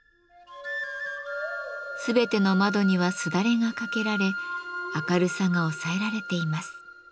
全ての窓にはすだれが掛けられ明るさが抑えられています。